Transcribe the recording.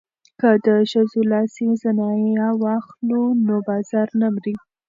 که د ښځو لاسي صنایع واخلو نو بازار نه مري.